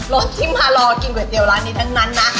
สที่มารอกินก๋วเตี๋ยร้านนี้ทั้งนั้นนะ